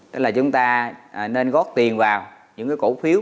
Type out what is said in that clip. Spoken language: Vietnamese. tức là chúng ta nên góp tiền vào những cái cổ phiếu